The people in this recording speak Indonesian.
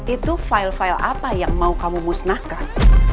itu file file apa yang mau kamu musnahkan